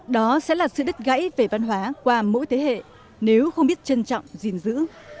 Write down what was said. đó sẽ là sự đứt gãy về văn hóa qua mỗi thế hệ nếu không biết trân trọng gìn giữ